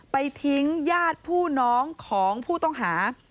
ไปทิ้งญาติผู้น้องของผู้ต้องหา